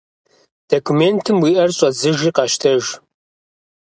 Документым уи ӏэр щӏэдзыжи къэщтэж.